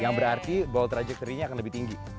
yang berarti bold trajectory nya akan lebih tinggi